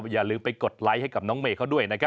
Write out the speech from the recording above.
ก็อย่าลืมให้กำลังใจเมย์ในรายการต่อไปนะคะ